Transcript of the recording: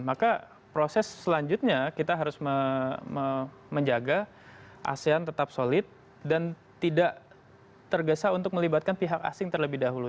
maka proses selanjutnya kita harus menjaga asean tetap solid dan tidak tergesa untuk melibatkan pihak asing terlebih dahulu